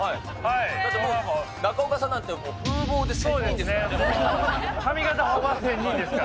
だってもう、中岡さんなんて、髪形は仙人ですからね。